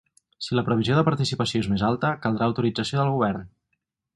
Si la previsió de participació és més alta, caldrà autorització del govern.